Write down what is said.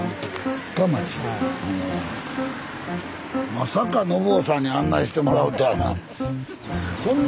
まさかのぼうさんに案内してもらうとはな。